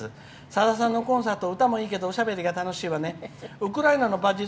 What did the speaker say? さださんのコンサート歌もいいけどおしゃべりが楽しいわね。